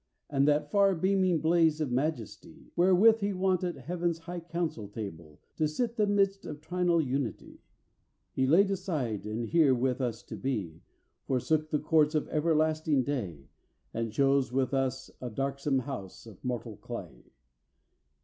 And that far beaming blaze of majesty, Wherewith he wont at Heaven's high coimcil table To sit the midst of Trinal Unity, He laid aside, and, here with us to be, Forsook the Courts of everlasting Day, And chose with us a darksome house of mortal clay.